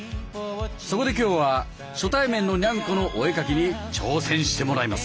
そこで今日は初対面のニャンコのお絵描きに挑戦してもらいます。